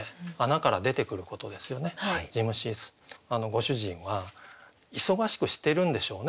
ご主人は忙しくしてるんでしょうね。